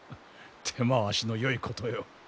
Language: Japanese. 手回しのよいことよ。